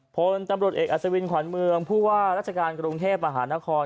ผลตำรสเอกอัศวินขวานเมืองผู้ว่ารัฐกาลกรุงเทพฯอาหารคลอน